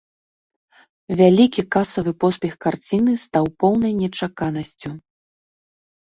Вялікі касавы поспех карціны стаў поўнай нечаканасцю.